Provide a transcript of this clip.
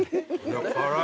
辛い。